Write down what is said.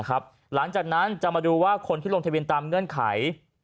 หลังจากนั้นจะมาดูว่าคนที่ลงทะเบียนตามเงื่อนไข